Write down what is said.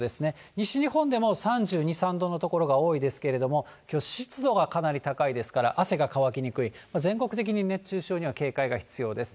西日本でも３２、３度の所が多いですけれども、きょう、湿度がかなり高いですから、汗が乾きにくい、全国的に熱中症には警戒が必要です。